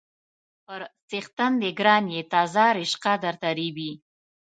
_پر څښتن دې ګران يې، تازه رشقه درته رېبي.